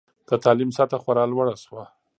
د تعلیم سطحه خورا لوړه شوه.